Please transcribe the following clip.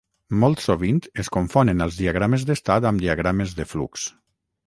Molt sovint es confonen els diagrames d'estat amb diagrames de flux.